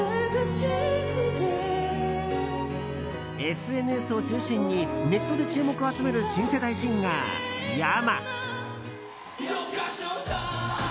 ＳＮＳを中心にネットで注目を集める新世代シンガーｙａｍａ。